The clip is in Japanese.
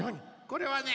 これはね